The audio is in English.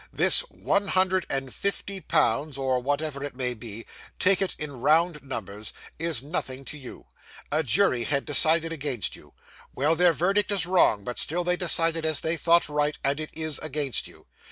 This one hundred and fifty pounds, or whatever it may be take it in round numbers is nothing to you. A jury had decided against you; well, their verdict is wrong, but still they decided as they thought right, and it is against you.